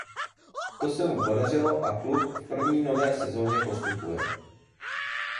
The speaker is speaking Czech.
To se mu podařilo a klub v první nové sezoně postupuje.